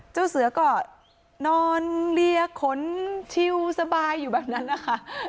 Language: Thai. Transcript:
เจ้าเสือก็นอนเลียขนชิวสบายอยู่แบบนั้นนะคะ